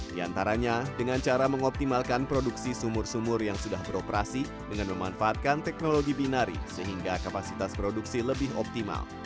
di antaranya dengan cara mengoptimalkan produksi sumur sumur yang sudah beroperasi dengan memanfaatkan teknologi binari sehingga kapasitas produksi lebih optimal